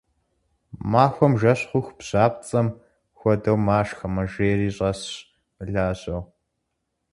Махуэм жэщ хъуху бжьапцӏэм хуэдэу машхэ мэжейри щӏэсщ, мылажьэу.